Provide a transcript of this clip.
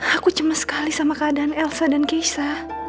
aku cemas sekali sama keadaan elsa dan keisha